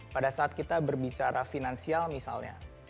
pada saat kita berbicara finansial misalnya